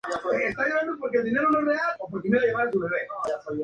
La ciudad más importante es Honiara.